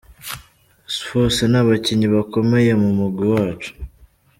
Bose ni abakinyi bakomeye mu mugwi wacu.